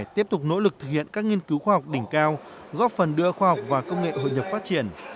tiếp tục nỗ lực thực hiện các nghiên cứu khoa học đỉnh cao góp phần đưa khoa học và công nghệ hội nhập phát triển